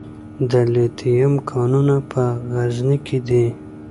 د لیتیم کانونه په غزني کې دي